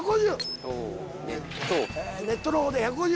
ネットのほうで１５０。